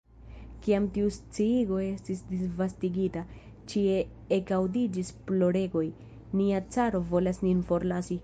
Kiam tiu sciigo estis disvastigita, ĉie ekaŭdiĝis ploregoj: "nia caro volas nin forlasi! »